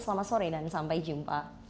selamat sore dan sampai jumpa